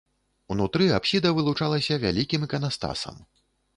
Унутры апсіда вылучалася вялікім іканастасам.